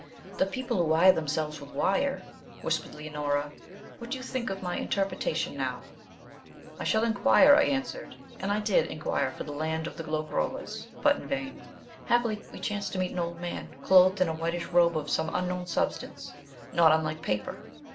'The people who wire themselves with wires,' whispered Leonora; 'what do you think of my interpretation now?' 'I shall inquire,' I answered, and I did inquire for the land of the Lo grollas, but in vain. Happily we chanced to meet an old man, clothed in a whitish robe of some unknown substance, not unlike paper.